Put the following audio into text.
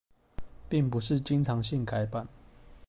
並不是經常性改版